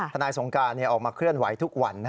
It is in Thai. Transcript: นายสงการออกมาเคลื่อนไหวทุกวัน